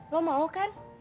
lo mau kan